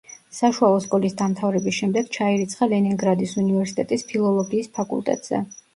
საშუალო სკოლის დამთავრების შემდეგ ჩაირიცხა ლენინგრადის უნივერსიტეტის ფილოლოგიის ფაკულტეტზე.